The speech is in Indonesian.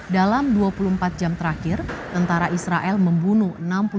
dalam dua puluh empat jam terakhir tentara israel membunuh